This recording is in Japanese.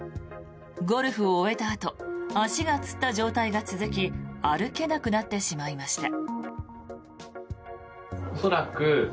ゴルフを終えたあと足がつった状態が続き歩けなくなってしまいました。